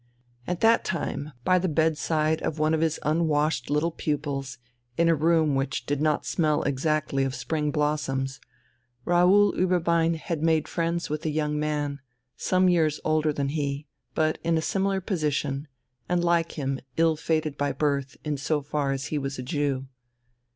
At that time, by the bedside of one of his unwashed little pupils, in a room which did not smell exactly of spring blossoms, Raoul Ueberbein had made friends with a young man some years older than he, but in a similar position and like him ill fated by birth in so far as he was a Jew.